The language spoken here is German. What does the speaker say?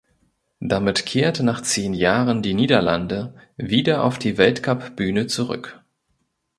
Damit kehrte nach zehn Jahren die Niederlande wieder auf die Weltcup Bühne zurück.